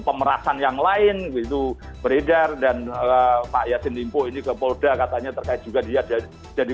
pemerasan yang lain gitu beredar dan pak yasin limpo ini ke polda katanya terkait juga dia jadi